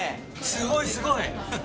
すごいすごい。